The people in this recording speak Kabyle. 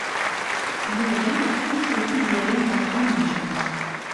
Yuba yefka-yas i Tiziri uṭun n John.